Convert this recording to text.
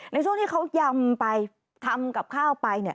ในช่วงที่เขายำไปทำกับข้าวไปเนี่ย